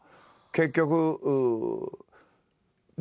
結局。